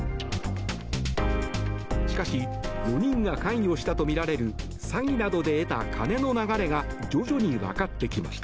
しかし４人が関与したとみられる詐欺などで得た金の流れが徐々にわかってきました。